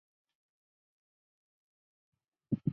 无芒羊茅为禾本科羊茅属下的一个种。